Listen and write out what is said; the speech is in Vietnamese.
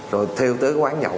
rồi thêu tới quán nhậu